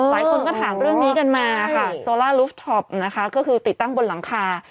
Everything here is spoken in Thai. หลายคนก็ถามเรื่องนี้กันมาค่ะโซล่าลูฟท็อปนะคะก็คือติดตั้งบนหลังคา